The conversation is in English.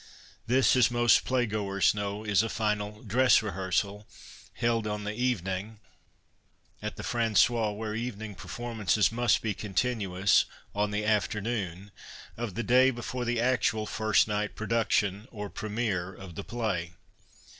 This, as most playgoers know, is a final " dress rehearsal ' held on the evening (at the Fran9ais, where evening performances must be continuous, on the afternoon) of the day before the actual " first night " pro duction, or premiere, of the play.